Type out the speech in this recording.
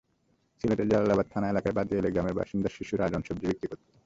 সিলেটের জালালাবাদ থানা এলাকার বাদেয়ালি গ্রামের বাসিন্দা শিশু রাজন সবজি বিক্রি করত।